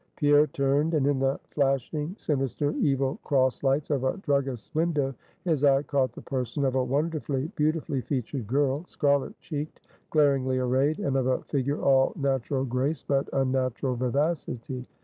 Pierre turned; and in the flashing, sinister, evil cross lights of a druggist's window, his eye caught the person of a wonderfully beautifully featured girl; scarlet cheeked, glaringly arrayed, and of a figure all natural grace but unnatural vivacity.